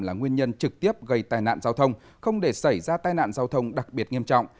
là nguyên nhân trực tiếp gây tai nạn giao thông không để xảy ra tai nạn giao thông đặc biệt nghiêm trọng